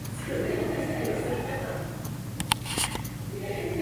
內心明明知道你的明星奪不去